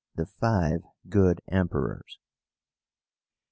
THE FIVE GOOD EMPERORS.